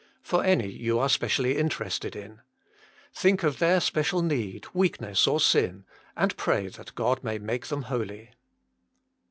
For any you are specially interested in. Think of their special need, weakness, or sin, and pray that God may make them holy.